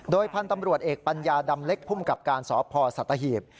พันธุ์ตำรวจเอกปัญญาดำเล็กภูมิกับการสพสัตหีบ